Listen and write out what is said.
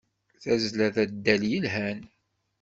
Tazzla d addal yelhan.